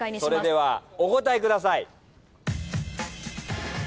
それではお答えください。